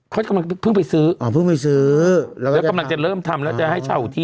เขากำลังพึ่งไปซื้อเขากำลังจะเริ่มทำและจะให้เฉาที่